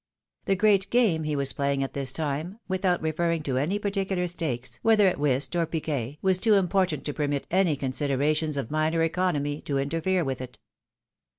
The great game he was playing at this time, without referring to any particular stakes, whether at whist or piquet, was too important to permit any considerations of minor economy to interfere with it.